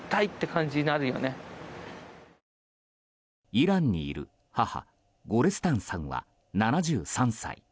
イランにいる母ゴレスタンさんが７３歳。